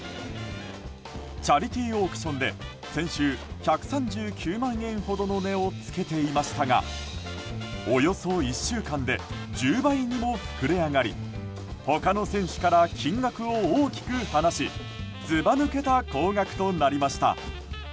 チャリティーオークションで先週１３９万円ほどの値をつけていましたがおよそ１週間で１０倍にも膨れ上がり他の選手から金額を大きく離しずば抜けた高額となりました。